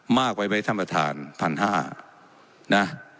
มากไว้ไว้ท่านประธานพันห้านะ